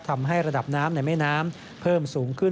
ทำให้ระดับน้ำในแม่น้ำเพิ่มสูงขึ้น